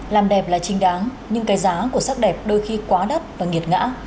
làm đẹp là chính đáng nhưng cái giá của sắc đẹp đôi khi quá đắt và nghiệt ngã